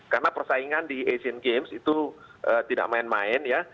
karena persaingan di asian games itu tidak main main ya